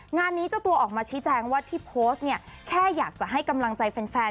งานนี้เจ้าตัวออกมาชี้แจงว่าที่โพสต์เนี่ยแค่อยากจะให้กำลังใจแฟน